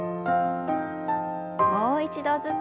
もう一度ずつ。